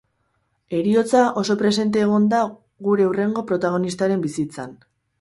Heriotza oso presente egon da gure hurrengo protagonistaren bizitzan.